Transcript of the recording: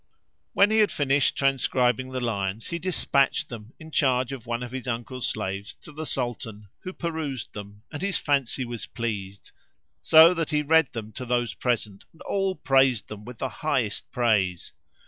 When he had finished transcribing the lines, he despatched them, in charge of one of his uncle's slaves, to the Sultan, who perused them and his fancy was pleased; so he read them to those present and all praised them with the highest praise.